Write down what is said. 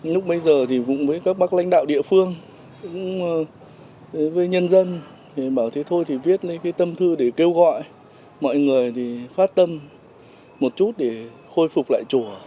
lúc bấy giờ thì cũng với các bác lãnh đạo địa phương với nhân dân bảo thế thôi thì viết lấy cái tâm thư để kêu gọi mọi người phát tâm một chút để khôi phục lại chùa